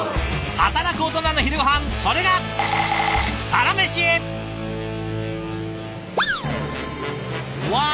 働くオトナの昼ごはんそれがわあ！